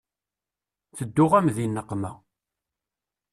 Tedduɣ-am di nneqma.